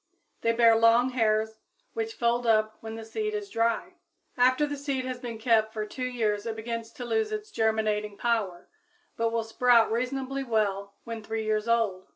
They bear long hairs, which fold up when the seed is dry. After the seed has been kept for two years it begins to lose its germinating power, but will sprout reasonably well when three years old.